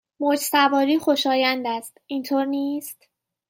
موج سواری خوشایند است، اینطور نیست؟